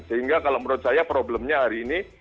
sehingga kalau menurut saya problemnya hari ini